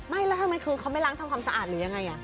ไม่แล้วทำไมคือเขาไม่ล้างทำความสะอาดหรือยังไง